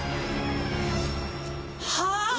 はあ！